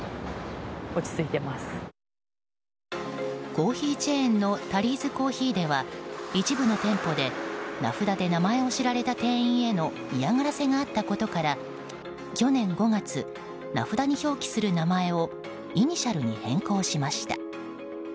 コーヒーチェーンのタリーズコーヒーでは一部の店舗で名札で名前を知られた店員への嫌がらせがあったことから去年５月名札に表記する名前をイニシャルに変更しました。